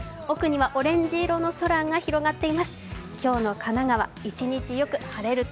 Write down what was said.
奥にはオレンジ色の空が広がっています。